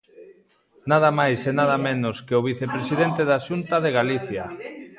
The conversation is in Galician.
Nada máis e nada menos que ao vicepresidente da Xunta de Galicia.